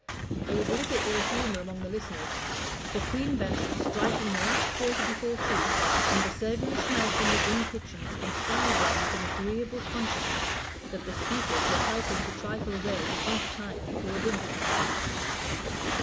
There was little ill humor among the listeners, for Queen Bess was striking the last quarter before two, and a savory smell from the inn kitchens inspired them with an agreeable consciousness that the speakers were helping to trifle away the brief time before dinner.